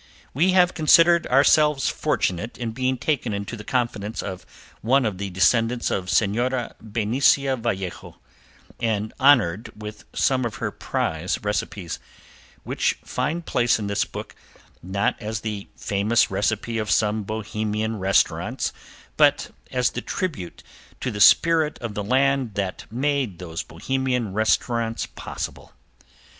We have considered ourselves fortunate in being taken into the confidence of one of the descendants of Senora Benicia Vallejo, and honored with some of her prize recipes, which find place in this book, not as the famous recipe of some Bohemian restaurants but as the tribute to the spirit of the land that made those Bohemian restaurants possible.